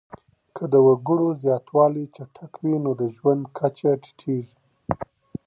که د وګړو زياتوالی چټک وي نو د ژوند کچه ټيټيږي.